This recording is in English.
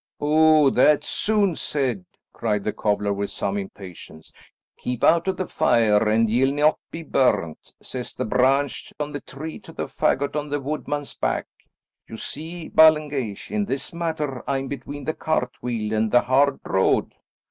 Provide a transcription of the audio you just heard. "Oh, that's soon said," cried the cobbler with some impatience. "'Keep out of the fire and ye'll not be burnt,' says the branch on the tree to the faggot on the woodman's back. You see, Ballengeich, in this matter I'm between the cart wheel and the hard road.